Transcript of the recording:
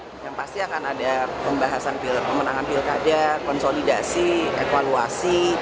yang pasti akan ada pembahasan pemenangan pilkada konsolidasi evaluasi